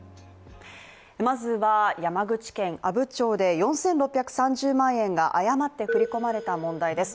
まずは山口県阿武町で４６３０万円が誤って振り込まれた問題です。